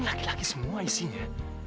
lagi lagi semua isinya